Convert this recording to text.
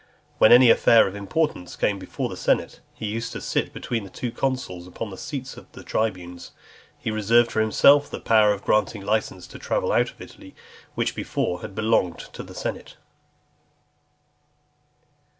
When any affair of importance came before the senate, he used to sit between the two consuls upon the seats of the tribunes. He reserved to himself the power of granting license to travel out of Italy, which before had belonged to the senate.